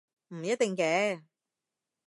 唔一定嘅